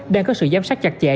đang có sự giám sát chặt chẽ